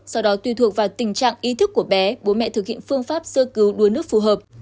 sau đó tùy thuộc vào tình trạng ý thức của bé bố mẹ thực hiện phương pháp sơ cứu đuối nước phù hợp